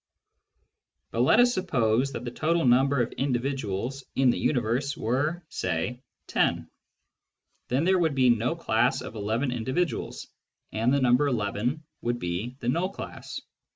But let us suppose that the total number of individuals in the universe were (say) 10 ; then there would be no class of n individuals, and the number n would be the null class.